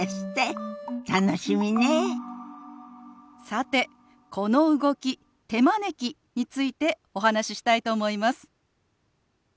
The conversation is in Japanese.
さてこの動き「手招き」についてお話ししたいと思います。